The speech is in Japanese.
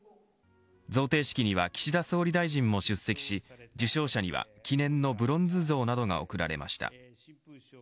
贈呈式には岸田総理大臣も出席し受賞者には記念のブロンズ像などが贈られました。